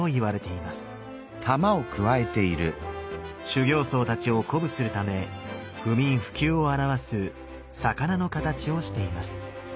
修行僧たちを鼓舞するため不眠不休を表す魚のかたちをしています。